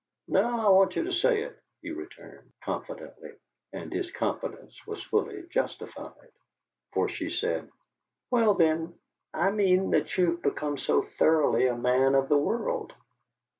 "No. I want you to say it," he returned, confidently, and his confidence was fully justified, for she said: "Well, then, I mean that you have become so thoroughly a man of the world.